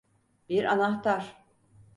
Bir anahtar.